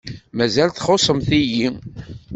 Mazal txuṣṣemt-iyi.